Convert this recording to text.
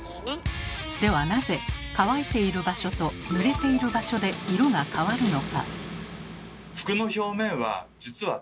ではなぜ乾いている場所とぬれている場所で色が変わるのか？